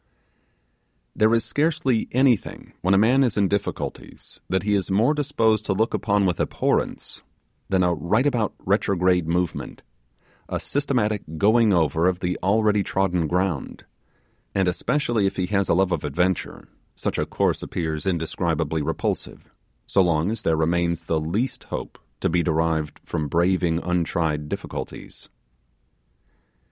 There is scarcely anything when a man is in difficulties that he is more disposed to look upon with abhorrence than a rightabout retrograde movement a systematic going over of the already trodden ground: and especially if he has a love of adventure, such a course appears indescribably repulsive, so long as there remains the least hope to be derived from braving untried difficulties.